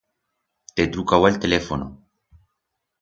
T'he trucau a'l telefono.